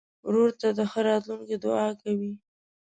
ورور ته د ښه راتلونکي دعا کوې.